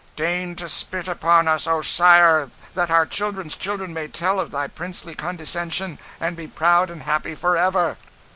"Deign to spit upon us, O Sire, that our children's children may tell of thy princely condescension, and be proud and happy for ever!"